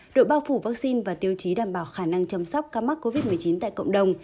độ bao phủ vaccine và tiêu chí đảm bảo khả năng chăm sóc ca mắc covid một mươi chín tại cộng đồng